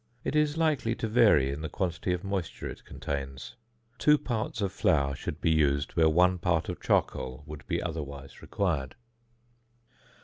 It is likely to vary in the quantity of moisture it contains. Two parts of flour should be used where one part of charcoal would be otherwise required.